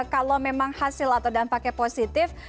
kalau memang hasil atau dampaknya positif